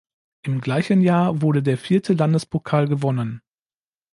Im gleichen Jahr wurde der vierte Landespokal gewonnen.